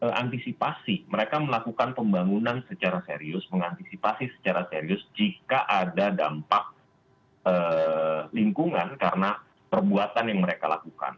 untuk mengantisipasi mereka melakukan pembangunan secara serius mengantisipasi secara serius jika ada dampak lingkungan karena perbuatan yang mereka lakukan